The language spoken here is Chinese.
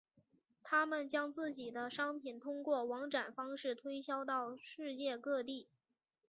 他们将自己的商品通过网展方式推销到世界各地。